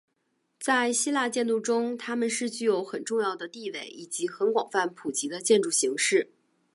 在希腊建筑中他们是具有很重要的地位以及很广泛普及的建筑形式。